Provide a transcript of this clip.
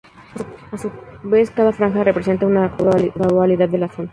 A su vez, cada franja representa una cualidad de la zona.